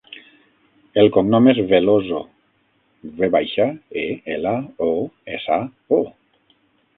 El cognom és Veloso: ve baixa, e, ela, o, essa, o.